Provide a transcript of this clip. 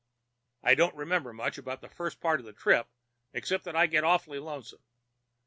"I don't remember much about the first part of the trip except that I get awful lonesome.